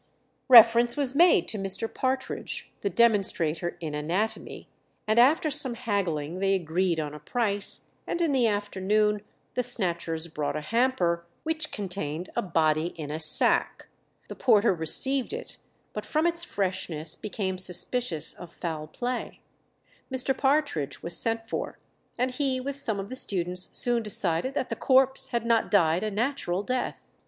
Reference was made to Mr. Partridge, the demonstrator in anatomy, and after some haggling they agreed on a price, and in the afternoon the snatchers brought a hamper which contained a body in a sack. The porter received it, but from its freshness became suspicious of foul play. Mr. Partridge was sent for, and he with some of the students soon decided that the corpse had not died a natural death.